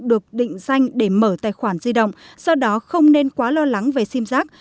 được định danh để mở tài khoản di động do đó không nên quá lo lắng về sim giác